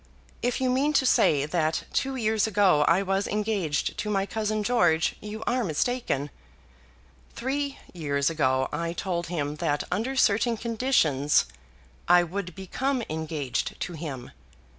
If you mean to say that two years ago I was engaged to my cousin George you are mistaken. Three years ago I told him that under certain conditions I would become engaged to him.